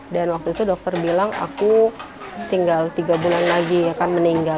dan waktu itu dokter bilang aku tinggal tiga bulan lagi ya kan meninggal